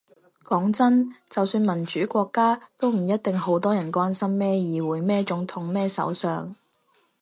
講真，就算民主國家，都唔一定好多人關心咩議會咩總統咩首相